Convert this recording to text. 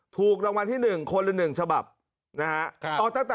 ถูกรางวัลที่๑คนละ๑ฉบับนะฮะ